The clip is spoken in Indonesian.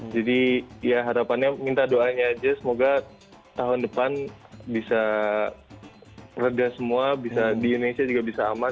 jadi ya harapannya minta doanya aja semoga tahun depan bisa reda semua bisa di indonesia juga bisa aman